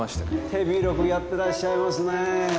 手広くやってらっしゃいますねえ。